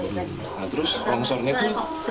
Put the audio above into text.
nah terus longsornya itu